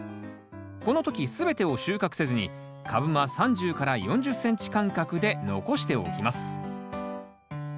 この時全てを収穫せずに株間３０４０ｃｍ間隔で残しておきます。